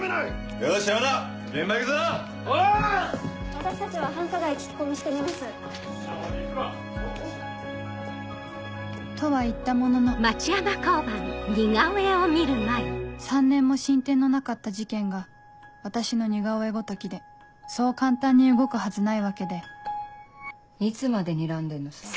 ・よっしゃ行くか・・おう・とは言ったものの３年も進展のなかった事件が私の似顔絵ごときでそう簡単に動くはずないわけでいつまでにらんでんのさ。